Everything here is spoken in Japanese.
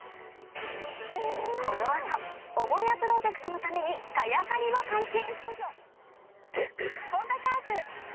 この後母屋プロジェクトのために茅刈りを開始！